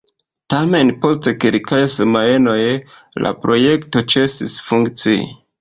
Tamen, post kelkaj semajnoj, la projekto ĉesis funkcii.